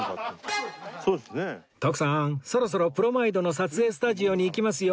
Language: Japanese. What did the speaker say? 徳さんそろそろプロマイドの撮影スタジオに行きますよ